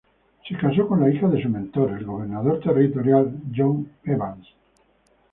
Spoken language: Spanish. Se casó con la hija de su mentor, el gobernador territorial John Evans.